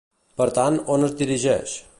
Per tant, on es dirigeix?